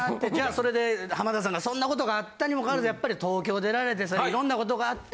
それで浜田さんがそんなことがあったにもかかわらずやっぱり東京に出られてそれでいろんなことがあって。